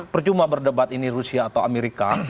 percuma berdebat ini rusia atau amerika